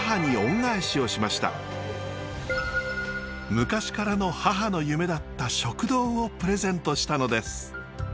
昔からの母の夢だった食堂をプレゼントしたのです。